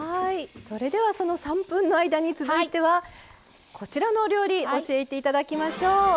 その３分の間に続いてはこちらのお料理を教えていただきましょう。